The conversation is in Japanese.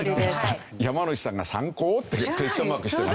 山之内さんが「３高？」ってクエスチョンマークしてます。